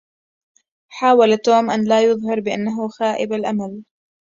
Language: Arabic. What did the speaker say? حاول توم أن لا يظهر بأنه خائب الأمل.